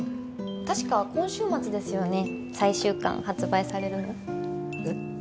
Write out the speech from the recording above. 確か今週末ですよね最終巻発売されるのえっ？